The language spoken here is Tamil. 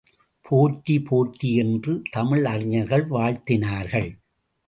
போற்றி போற்றி என்று தமிழறிஞர்கள் வாழ்த்தினார்கள்.